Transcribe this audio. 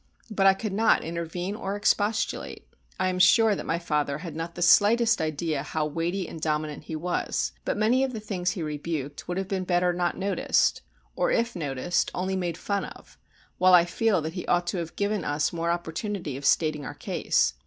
But I could not intervene or expostulate. I am sure that my father had not the slightest idea how weighty and dominant he was; but many of the things he rebuked would have been better not noticed, or if noticed only made fun of, while I feel that he ought to have given us more opportunity of stating our case.